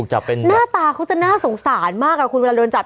หน้าตาเขาจะน่าสงสารมากคุณเวลาโดนจับ